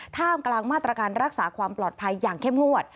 ท่ามกลางมาตรการรักษาความปลอดภัยอย่างเข้มงวด